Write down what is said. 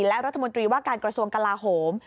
และรัฐมนตรีว่าการกระทรวงกลาโหม